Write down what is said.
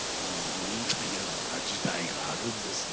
そんな時代があるんですね